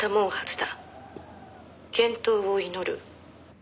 「健闘を祈る」